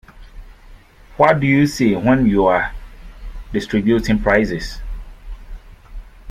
What do you say when you're distributing prizes?